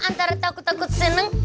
antara takut takut seneng